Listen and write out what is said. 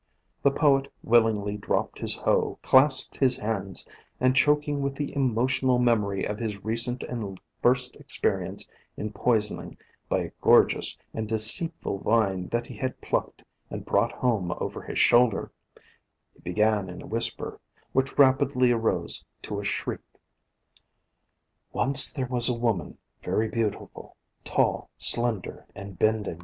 The Poet willingly dropped his hoe, clasped his hands, and, choking with the emotional memory of his recent and first experience in poi soning by a gorgeous and deceitful vine that he had plucked and brought home over his shoulder, he began in a whisper, which rapidly arose to a shriek : POISONOUS PLANTS 167 "Once there was a woman, very beautiful, tall, slender and bending.